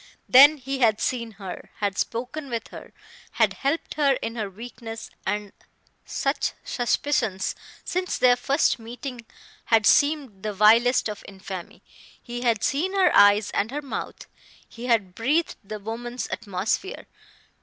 Then he had seen her, had spoken with her, had helped her in her weakness; and such suspicions, since their first meeting, had seemed the vilest of infamy. He had seen her eyes and her mouth; he had breathed the woman's atmosphere.